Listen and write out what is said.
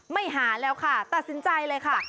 ไม่หาแล้วค่ะตัดสินใจเลยค่ะ